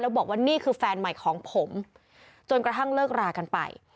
บอกว่านี่คือแฟนใหม่ของผมจนกระทั่งเลิกรากันไป